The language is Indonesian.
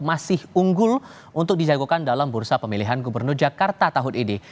masih unggul untuk dijagokan dalam bursa pemilihan gubernur jakarta tahun ini